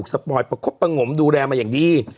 ขออีกทีอ่านอีกทีอ่านอีกที